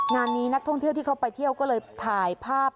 งานนี้นักท่องเที่ยวที่เขาไปเที่ยวก็เลยถ่ายภาพ